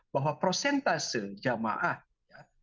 bahwa prosentase jamaah lebih tinggi